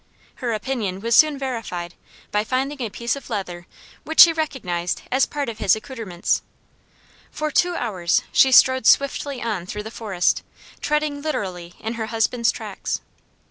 Her opinion was soon verified by finding a piece of leather which she recognized as part of his accoutrements. For two hours she strode swiftly on through the forest, treading literally in her husband's tracks.